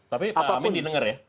tapi pak amin didengar ya